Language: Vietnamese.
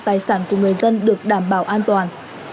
tài sản của người dân được đảm bảo an toàn